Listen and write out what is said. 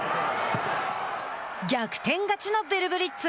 逆転勝ちのヴェルブリッツ。